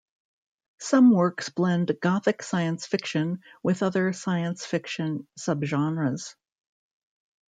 Some works blend gothic science fiction with other science fiction subgenres.